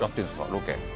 ロケ。